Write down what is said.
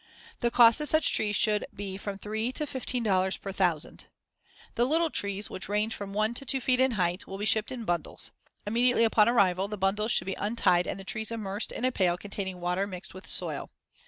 The cost of such trees should be from three to fifteen dollars per thousand. The little trees, which range from one to two feet in height, will be shipped in bundles. Immediately upon arrival, the bundles should be untied and the trees immersed in a pail containing water mixed with soil.